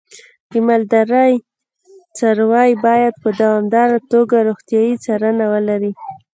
د مالدارۍ څاروی باید په دوامداره توګه روغتیايي څارنه ولري.